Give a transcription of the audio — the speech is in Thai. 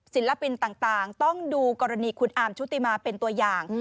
ศิลปินต่างต้องดูกรณีคุณอาร์มชุติมาเป็นตัวอย่าง